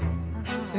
え？